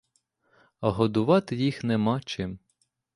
А годувати їх нема чим.